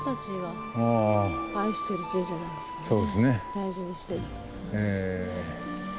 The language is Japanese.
大事にしている。